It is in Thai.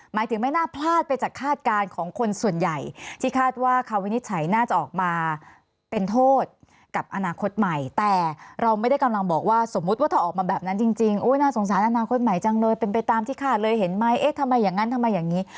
หมายถึงไม่น่าพลาดไปจากคาดการณ์ของคนส่วนใหญ่ที่คาดว่าคำวินิจฉัยน่าจะออกมาเป็นโทษกับอนาคตใหม่แต่เราไม่ได้กำลังบอกว่าสมมุติว่าถ้าออกมาแบบนั้นจริงน่าสงสารอนาคตใหม่จังเลยเป็นไปตามที่คาดเลยเห็นไหมเอ๊ะทำไมอย่างนั้นทำไมอย่างนี้